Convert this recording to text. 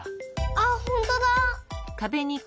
あっほんとうだ！